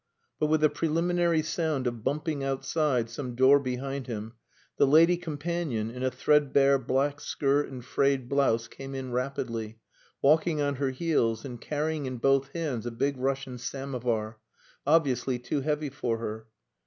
But with a preliminary sound of bumping outside some door behind him, the lady companion, in a threadbare black skirt and frayed blouse, came in rapidly, walking on her heels, and carrying in both hands a big Russian samovar, obviously too heavy for her.